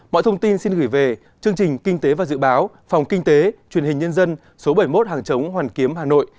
mọi thông tin xin gửi về chương trình kinh tế và dự báo phòng kinh tế truyền hình nhân dân số bảy mươi một hàng chống hoàn kiếm hà nội